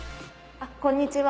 こんにちは。